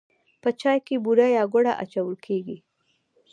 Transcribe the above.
په چای کې بوره یا ګوړه اچول کیږي.